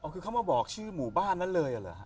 คือเขามาบอกชื่อหมู่บ้านนั้นเลยเหรอฮะ